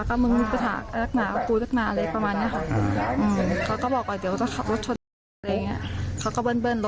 เขาก็มาทุบรถทุบเลยหรอ